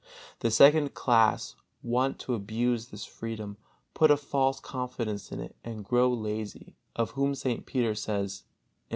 The second class want to abuse this freedom, put a false confidence in it, and grow lazy; of whom St. Peter says, I.